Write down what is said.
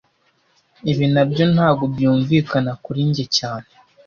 Ibi nabyo ntago byumvikana kuri njye cyane